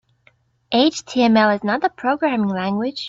HTML is not a programming language.